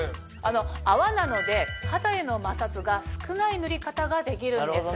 泡なので肌への摩擦が少ない塗り方ができるんです。